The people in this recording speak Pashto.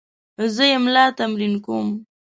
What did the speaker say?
زه املا تمرین کوم.